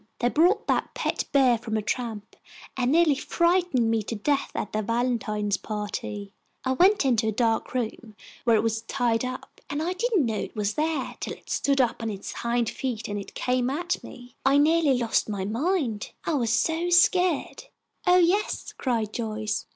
They bought that pet beah from a tramp and neahly frightened me to death at their valentine pahty. I went into a dahk room, where it was tied up, and didn't know it was theah till it stood up on its hind feet and came at me. I neahly lost my mind, I was so sca'd." "Oh, yes," cried Joyce.